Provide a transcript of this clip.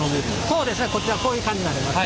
そうですねこちらこういう感じになります。